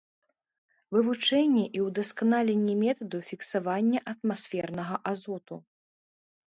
Вывучэнне і ўдасканаленне метаду фіксавання атмасфернага азоту.